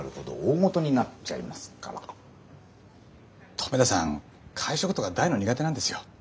留田さん会食とか大の苦手なんですよ。